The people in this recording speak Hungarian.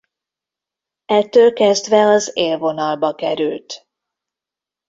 Ettől kezdve az élvonalba került.